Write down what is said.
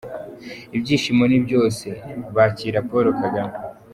Ibyishimo ni byose bakira Paul Kagame.